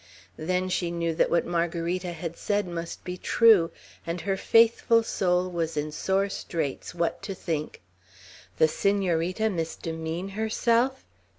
Then she knew that what Margarita had said must be true, and her faithful soul was in sore straits what to think. The Senorita misdemean herself!